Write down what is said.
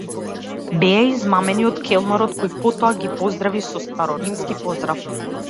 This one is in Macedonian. Беа измамени од келнерот, кој потоа ги поздрави со староримски поздрав.